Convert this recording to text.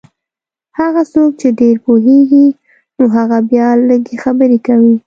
هغه څوک چې ډېر پوهېږي نو هغه بیا لږې خبرې کوي.